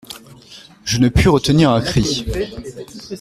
«Je ne pus retenir un cri.